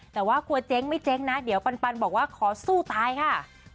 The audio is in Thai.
แต่ว่ากลัวเจ๊งไม่เจ๊งนะเดี๋ยวปันบอกว่าขอสู้ตายค่ะ